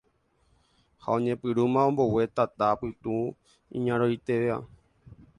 Ha oñepyrũma ombogue tata pytu iñarõitéva